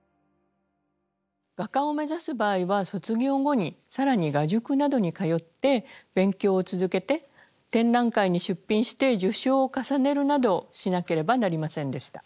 画家を目指す場合は卒業後に更に画塾などに通って勉強を続けて展覧会に出品して受賞を重ねるなどしなければなりませんでした。